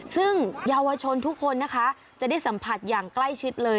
ซึ่งเยาวชนทุกคนนะคะจะได้สัมผัสอย่างใกล้ชิดเลย